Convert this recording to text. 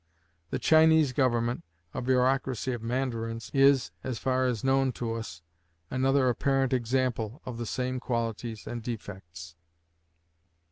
The Chinese government, a bureaucracy of Mandarins, is, as far as known to us, another apparent example of the same qualities and defects.